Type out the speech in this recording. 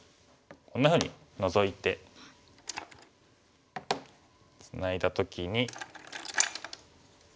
こんなふうにノゾいてツナいだ時に。